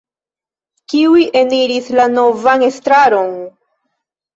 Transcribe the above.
Kiuj eniris la novan estraron?